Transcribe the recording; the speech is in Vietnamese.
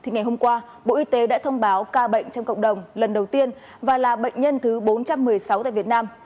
ngày hôm qua bộ y tế đã thông báo ca bệnh trong cộng đồng lần đầu tiên và là bệnh nhân thứ bốn trăm một mươi sáu tại việt nam